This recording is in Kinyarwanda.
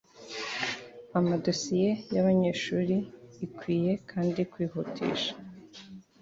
amadosiye y abanyeshuri ikwiye kandi kwihutisha